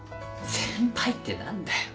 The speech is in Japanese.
先輩って何だよ。